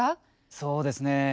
そうですねえ